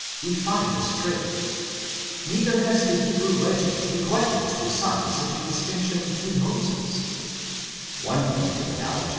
° we find this trait; neither has the Hebrew legend neglected to assign such a distinction to Moses," One point of analogy be 11 As in Matt.